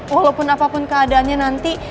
walaupun apapun keadaannya nanti